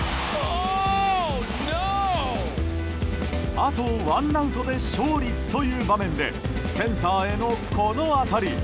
あとワンアウトで勝利という場面でセンターへの、この当たり。